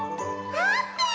あーぷん！